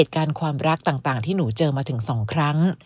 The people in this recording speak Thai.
การความรักต่างที่หนูเจอมาถึง๒ครั้ง